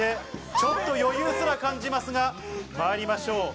ちょっと余裕すら感じますが、まいりましょう。